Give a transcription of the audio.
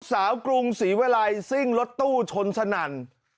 สาวกรุงศรีเวลาซิ่งรถตู้ชนสนัน